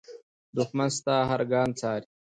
دښمن ستا هر ګام څاري